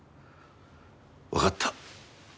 わかった。